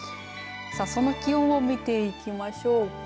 気温を見ていきましょう。